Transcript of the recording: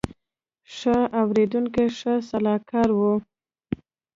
ښه اورېدونکی ښه سلاکار وي